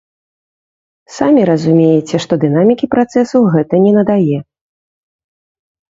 Самі разумееце, што дынамікі працэсу гэта не надае.